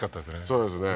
そうですね